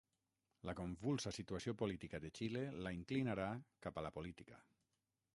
La convulsa situació política de Xile la inclinarà cap a la política.